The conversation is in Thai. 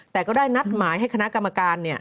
แต่ก็ได้นัดหมายให้คณะกรรมการ